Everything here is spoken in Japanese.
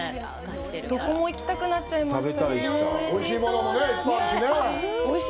どこも行きたくなっちゃいましたね。